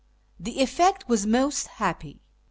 The effect was most happy.